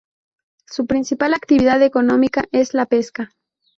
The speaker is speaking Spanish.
Su principal actividad económica es la pesca.